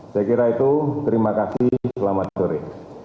saya kira itu terima kasih selamat sore